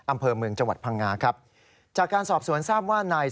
อำเภอเมืองจังหวัดพังงาครับ